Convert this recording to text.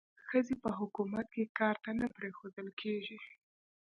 ښځې په حکومت کې کار ته نه پریښودل کېږي.